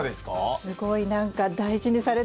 すごい何か大事にされてますね。